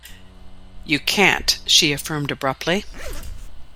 "You can't," she affirmed abruptly.